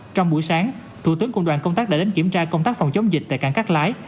trong buổi sáng thủ tướng cùng đoàn công tác đã đến kiểm tra công tác phòng chống dịch tại cảng cát lái